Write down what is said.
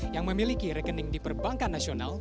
yang memiliki rekening di perbankan nasional